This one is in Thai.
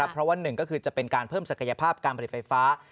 เพราะว่าหนึ่งก็คือจะเป็นการเพิ่มศักยภาพการผลิตไฟฟ้า